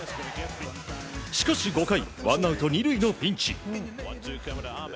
しかし５回ワンアウト２塁のピンチ。